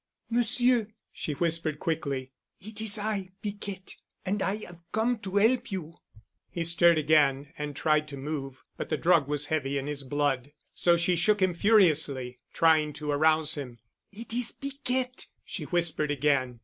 "Monsieur!" she whispered quickly, "it is I—Piquette—and I have come to help you." He stirred again and tried to move, but the drug was heavy in his blood. So she shook him furiously, trying to arouse him. "It is Piquette," she whispered again.